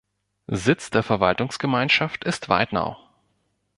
Sitz der Verwaltungsgemeinschaft ist Weitnau.